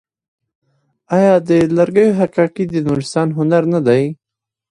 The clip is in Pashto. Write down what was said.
آیا د لرګیو حکاکي د نورستان هنر نه دی؟